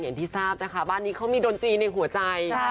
หาบ้านนี้เขามีดนตรีในหัวใจ